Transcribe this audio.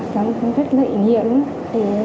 cảm thấy rất là ý nghĩa lắm